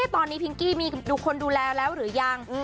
ตอนนี้พิงกี้มีคนดูแลแล้วหรือยัง